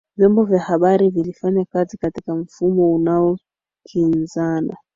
Vyombo vya habari vilifanya kazi katika mfumo unaokinzana